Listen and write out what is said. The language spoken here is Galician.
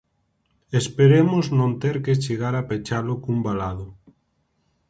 Esperemos non ter que chegar a pechalo cun valado.